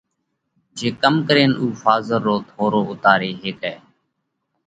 جي ڪم ڪرينَ اُو ڦازر رو ٿورو اُوتاري هيڪئه؟